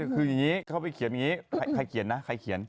คืออย่างนี้เขาไปเขียนอย่างนี้ใครเขียนนะใครเขียน